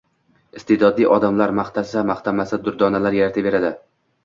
Iste’dodli odam odamlar maqtasa-maqtamasa durdonalar yarataveradi.